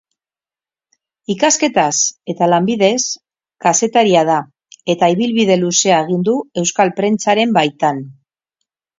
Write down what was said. Ikasketaz eta lanbidez kazetaria da eta ibilbide luzea egin du euskal prentsaren baitan.